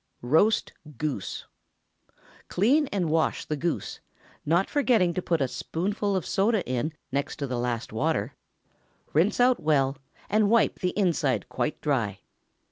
ROAST GOOSE. Clean and wash the goose—not forgetting to put a spoonful of soda in next to the last water, rinse out well, and wipe the inside quite dry.